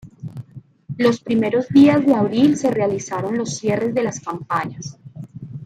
Los primeros días de abril se realizaron los cierres de las campañas.